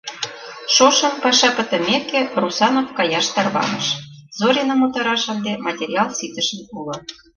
Шошым, паша пытымеке, Русанов каяш тарваныш, Зориным утараш ынде материал ситышын уло.